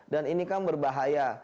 dan ini kan berbahaya